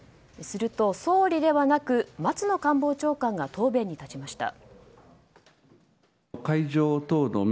すると、総理ではなく松野官房長官が答弁に立ちました。